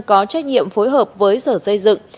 có trách nhiệm phối hợp với sở xây dựng